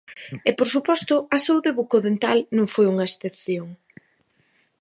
E, por suposto, a saúde bucodental non foi unha excepción.